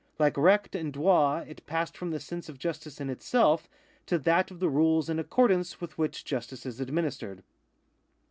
Like recht and droit it passed from the sense of justice in itself to that of the rules in accordance with which justice is administered.